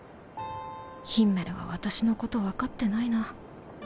ヒンメルは私のこと分かってないな